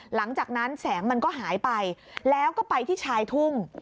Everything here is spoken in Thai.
หลังจากนั้นแสงมันก็หายไปแล้วก็ไปที่ชายทุ่ง